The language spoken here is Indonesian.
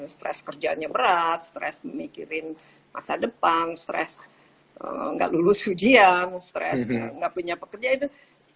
stress kerjaannya berat stress memikirkan masa depan stress tidak lulus ujian stress tidak punya pekerjaan